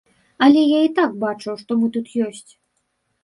Але я і так бачу, што мы тут ёсць.